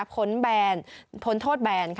พ้นแบนพ้นโทษแบน